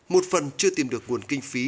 một phần chưa tìm được nguồn kinh phí